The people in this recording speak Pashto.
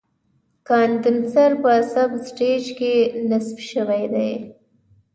کاندنسر په سب سټیج کې نصب شوی دی.